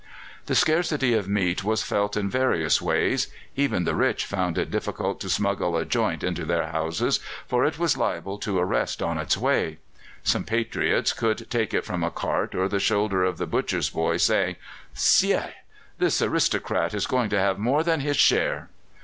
The scarcity of meat was felt in various ways; even the rich found it difficult to smuggle a joint into their houses, for it was liable to arrest on its way: some patriots would take it from a cart or the shoulder of the butcher's boy, saying, "Ciel! this aristocrat is going to have more than his share."